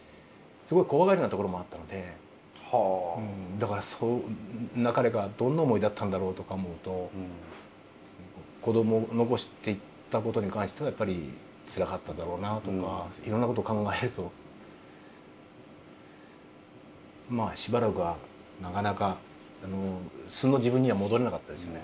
だからそんな彼がどんな思いだったんだろうとか思うと子ども残していったことに関してはやっぱりつらかっただろうなとかいろんなことを考えるとまあしばらくはなかなか素の自分には戻れなかったですよね。